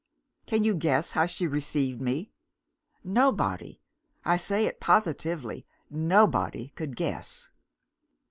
"Can you guess how she received me? Nobody I say it positively nobody could guess.